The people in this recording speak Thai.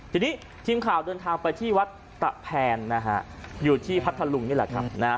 ทีนี้ทีมข่าวเดินทางไปที่วัดตะแพนนะฮะอยู่ที่พัทธลุงนี่แหละครับนะฮะ